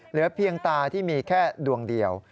เหลือเพียงตาที่มีแค่ดวงเดียว